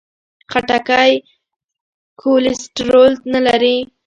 خټکی کولیسټرول نه لري.